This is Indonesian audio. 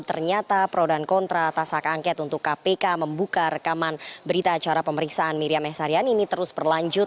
ternyata pro dan kontra atas hak angket untuk kpk membuka rekaman berita acara pemeriksaan miriam s haryani ini terus berlanjut